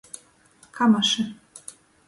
Kamaši.